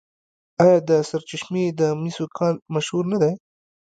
آیا د سرچشمې د مسو کان مشهور نه دی؟